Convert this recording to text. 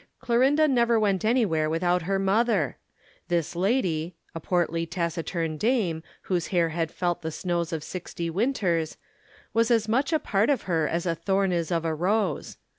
Clorinda never went anywhere without her mother. This lady a portly taciturn dame, whose hair had felt the snows of sixty winters was as much a part of her as a thorn is of a rose.